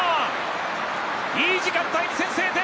いい時間帯に先制点。